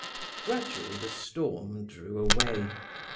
Gradually the storm, drew away.